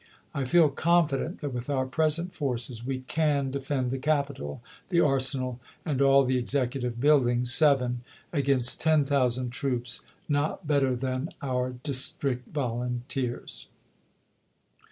I feel confident that with our present forces we can defend the Capitol, the Arsenal, and all the executive buildings (seven) against 10,000 MS. troops not better than our district volunteers.